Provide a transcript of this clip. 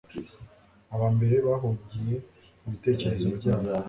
abambere bahugiye mubitekerezo byabo